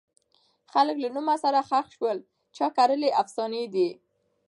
څوک له نومه سره ښخ سول چا کرلي افسانې دي